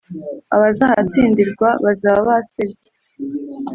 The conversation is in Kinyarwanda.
Abazahatsindirwa bazaba basebye.